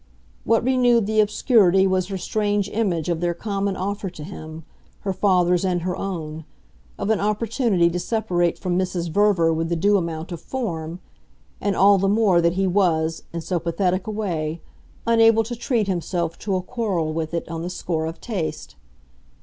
What renewed the obscurity was her strange image of their common offer to him, her father's and her own, of an opportunity to separate from Mrs. Verver with the due amount of form and all the more that he was, in so pathetic a way, unable to treat himself to a quarrel with it on the score of taste.